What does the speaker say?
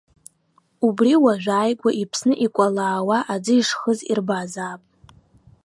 Убри, уажәааигәа, иԥсны икәлаауа аӡы ишхыз ирбазаап.